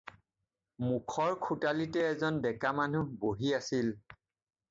মুখৰ খোটালীতে এজন ডেকা মানুহ বহি আছিল।